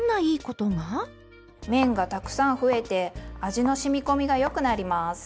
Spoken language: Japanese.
面がたくさん増えて味の染み込みがよくなります。